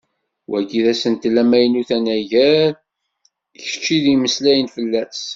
Wagi d asentel amaynut anagar kečč i d-yemmeslayen fell-as.